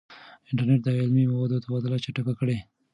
انټرنیټ د علمي موادو تبادله چټکه کړې ده.